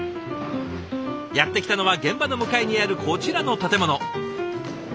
やって来たのは現場の向かいにあるこちらの建物。